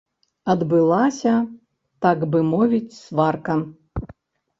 Адбылася, так бы мовіць, сварка.